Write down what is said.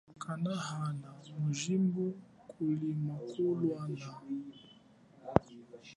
Kanahan mujibu kuli makulwana.